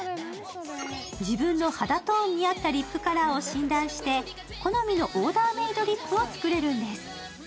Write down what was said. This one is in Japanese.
自分の肌のトーンに合ったリップカラーを診断して、好みのオーダーメードリップを作れるんです。